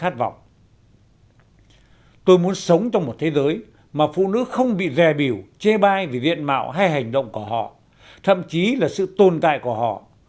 tôi muốn sống trong một thế giới mà phụ nữ không bị rè biểu chê bai vì diện mạo hay hành động của họ thậm chí là sự tồn tại của họ